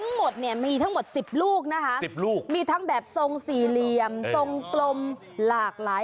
เหมือนปล่อยบอลลูนเพราะมันใหญ่มากนะคะ